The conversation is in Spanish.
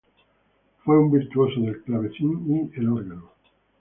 Fue un virtuoso del clavecín y el órgano.